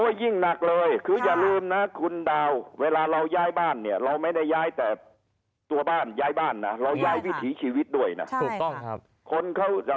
ยิ่งหนักเลยคืออย่าลืมนะคุณดาวเวลาเราย้ายบ้านเนี่ยเราไม่ได้ย้ายแต่ตัวบ้านย้ายบ้านนะเราย้ายวิถีชีวิตด้วยนะถูกต้องครับคนเขาจะ